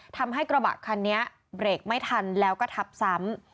ทำให้กระบะคันนี้เบรกไม่ทันแล้วก็ทับซ้ำ